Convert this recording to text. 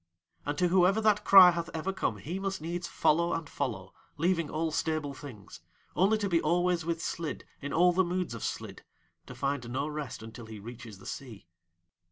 And to whoever that cry hath ever come he must needs follow and follow, leaving all stable things; only to be always with Slid in all the moods of Slid, to find no rest until he reaches the sea.